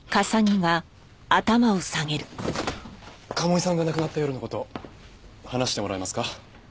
賀茂井さんが亡くなった夜の事話してもらえますか？